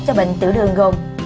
cho bệnh tiểu đường gồm